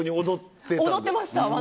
踊ってました。